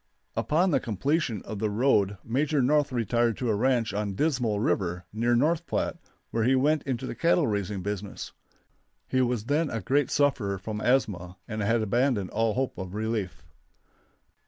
Upon the completion of the road Major North retired to a ranch on Dismal River, near North Platte, where he went into the cattle raising business. He was then a great sufferer from asthma, and had abandoned all hope of relief.